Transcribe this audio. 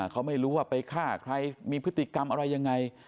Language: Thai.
เขาไม่รู้ว่าไปฆ่าใครมีพฤติกรรมอะไรยังไง